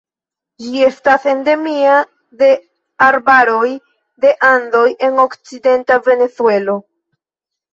Ĝi estas endemia de arbaroj de Andoj en okcidenta Venezuelo.